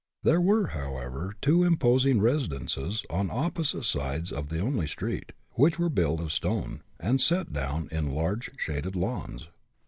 There were, however, two imposing residences, on opposite sides of the only street, which were built of stone, and set down in large shaded lawns.